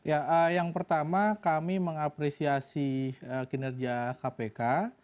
ya yang pertama kami mengapresiasi kinerja kpk